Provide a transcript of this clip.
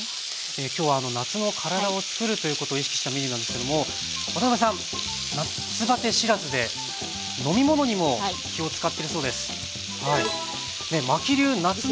今日は夏の体をつくるということを意識したメニューなんですけどもワタナベさん夏バテ知らずで飲み物にも気を遣ってるそうです。